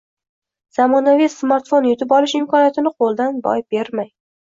Zamonaviy smartfon yutib olish imkoniyatini qo‘ldan boy bermang!